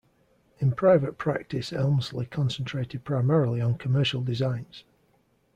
In private practice Elmslie concentrated primarily on commercial designs.